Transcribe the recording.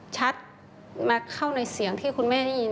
ชัดมาเข้าในเสียงที่คุณแม่ได้ยิน